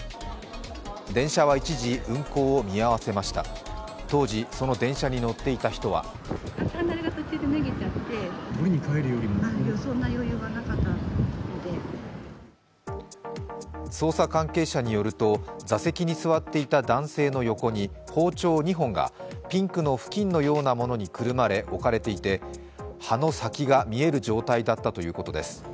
電車は一時、運行を見あわせました当時、その電車に乗っていた人は捜査関係者によると座席に座っていた男性の横に包丁２本がピンクの布巾のようなものにくるまれて置かれ、刃の先が見える状態だったということです。